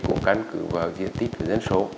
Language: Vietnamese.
cũng căn cứ vào diện tích dân số